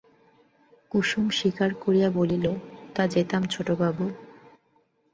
কুসুম স্বীকার করিয়া বলিল, তা যেতাম ছোটবাবু!